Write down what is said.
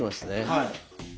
はい。